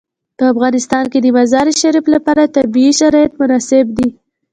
په افغانستان کې د مزارشریف لپاره طبیعي شرایط مناسب دي.